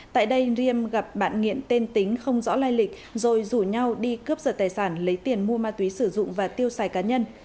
tại đây riêng gặp bạn nghiện tên tính không rõ lai lịch rồi rủ nhau đi cướp giật tài sản lấy tiền mua ma túy sử dụng và tiêu xài cá nhân